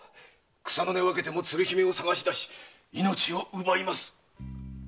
草の根わけても鶴姫を捜し出し命を奪います！